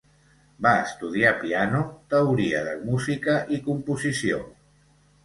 Va estudiar piano, teoria de música i composició.